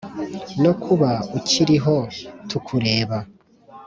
no kuba ukirihoo tukureba